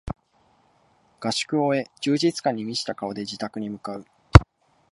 合宿を終え充実感に満ちた顔で自宅に向かう